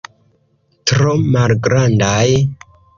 Tro malgrandaj.